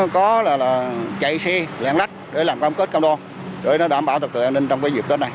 có là chạy xe lẹn lách để làm công kết công đoan để đảm bảo trực tự an ninh trong dịp tết này